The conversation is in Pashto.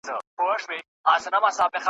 كه دامونه د شيطان وي او كه نه وي ,